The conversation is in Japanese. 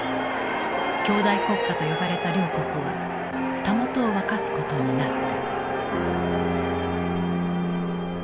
兄弟国家と呼ばれた両国はたもとを分かつことになった。